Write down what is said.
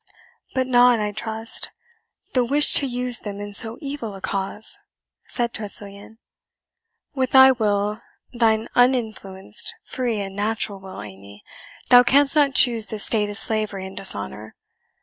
"But not, I trust, the wish to use them in so evil a cause?" said Tressilian. "With thy will thine uninfluenced, free, and natural will, Amy, thou canst not choose this state of slavery and dishonour.